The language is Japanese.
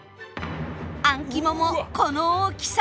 あん肝もこの大きさ！